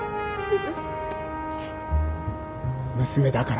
娘だから。